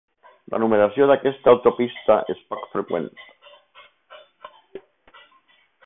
La numeració d'aquesta autopista és poc freqüent.